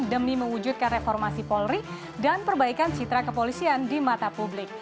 demi mewujudkan reformasi polri dan perbaikan citra kepolisian di mata publik